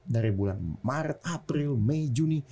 dari bulan maret april mei juni